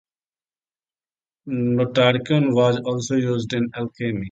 Notarikon was also used in alchemy.